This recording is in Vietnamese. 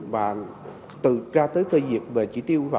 và ra tới phê diệt về chỉ tiêu